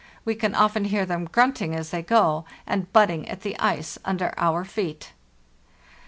We can often hear them grunting as they go, and butting at the ice under our feet."